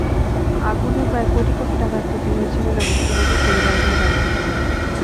আগুনে প্রায় কোটি টাকার ক্ষতি হয়েছে বলে ভুক্তভোগী পরিবারগুলো দাবি করেছে।